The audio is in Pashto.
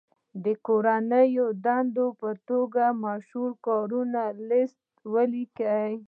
د کورنۍ دندې په توګه مشهورو کارونو لست ولیکئ.